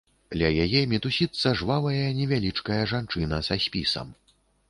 Ля яе мітусіцца жвавая невялічкая жанчына са спісам.